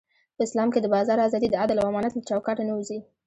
په اسلام کې د بازار ازادي د عدل او امانت له چوکاټه نه وځي.